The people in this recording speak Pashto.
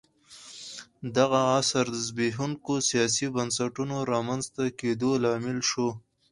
دغه عصر د زبېښونکو سیاسي بنسټونو رامنځته کېدو لامل شو